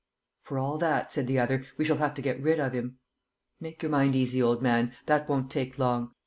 "For all that," said the other, "we shall have to get rid of him." "Make your mind easy, old man; that won't take long.